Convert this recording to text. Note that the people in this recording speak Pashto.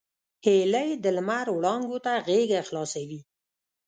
هیلۍ د لمر وړانګو ته غېږه خلاصوي